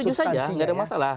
setuju saja tidak ada masalah